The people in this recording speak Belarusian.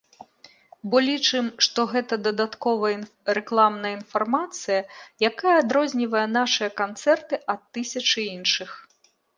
Бо лічым, што гэта дадатковая рэкламная інфармацыя, якая адрознівае нашыя канцэрты ад тысячы іншых.